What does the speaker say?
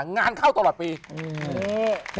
งานเข้าตลอดปี